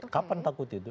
kapan takut itu